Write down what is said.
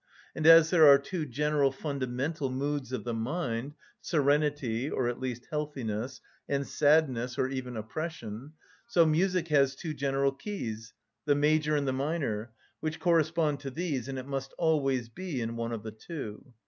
And as there are two general fundamental moods of the mind, serenity, or at least healthiness, and sadness, or even oppression, so music has two general keys, the major and the minor, which correspond to these, and it must always be in one of the two.